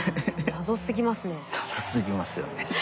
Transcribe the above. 謎すぎますよね。